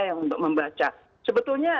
yang membaca sebetulnya